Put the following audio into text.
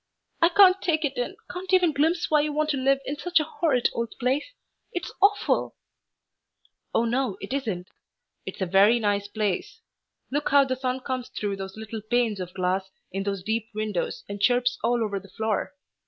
"I can't take it in, can't even glimpse why you want to live in such a horrid old place. It's awful!" "Oh no, it isn't. It's a very nice place. Look how the sun comes through those little panes of glass in those deep windows and chirps all over the floor.